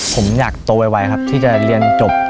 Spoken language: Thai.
ผมอยากโตไวครับที่จะเรียนจบ